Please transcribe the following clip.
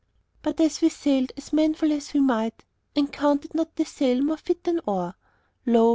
"But as we sailed as manful as we might, And counted not the sail more fit than oar, Lo!